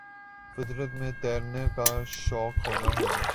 فطر ت میں تیرنا کا شوق ہونا ہونا